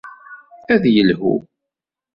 Ad yelhu.